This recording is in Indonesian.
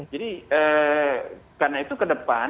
jadi karena itu ke depan